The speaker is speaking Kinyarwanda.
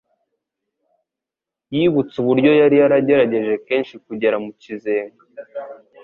Yibutse uburyo yari yaragerageje kenshi kugera mu kizenga,